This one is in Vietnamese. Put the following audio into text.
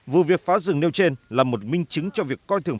vụ việc phá rừng nêu trên là một minh chứng cho việc coi thường